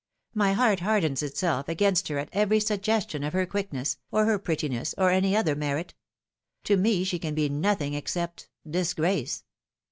My heart hardens itself against her at every suggestion of her quickness, or her prettiness, or any other merit. To me she can be nothing except disgrace.